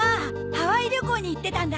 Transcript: ハワイ旅行に行ってたんだ。